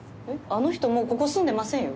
あの人もうここ住んでませんよ。